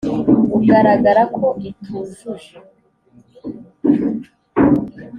ugaragara ko itujuje